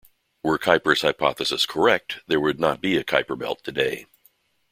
Were Kuiper's hypothesis correct, there would not be a Kuiper belt today.